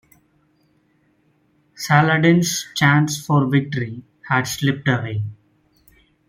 Saladin's chance for victory had slipped away.